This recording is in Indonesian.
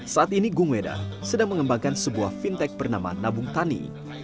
saat ini gung weda sedang mengembangkan sebuah fintech bernama nabung tani